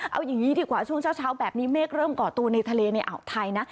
เอาอย่างนี้ดีกว่าช่วงเช้าแบบนี้เมฆเริ่มก่อตัวในทะเลในอ่าวไทยนะ